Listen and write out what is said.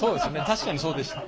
確かにそうでした。